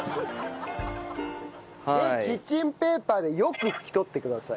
でキッチンペーパーでよく拭き取ってください。